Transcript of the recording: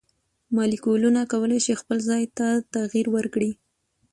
مالیکولونه کولی شي خپل ځای ته تغیر ورکړي.